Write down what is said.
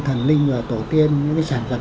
thần linh và tổ tiên những sản vật